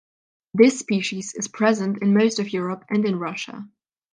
This species is present in most of Europe and in Russia.